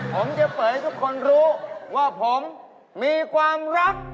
ผมจะเปิดให้ทุกคนรู้ว่าผมมีความรัก